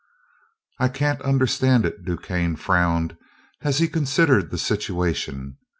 "I can't understand it," DuQuesne frowned as he considered the situation.